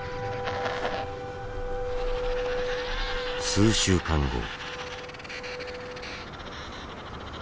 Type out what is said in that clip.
数週間後。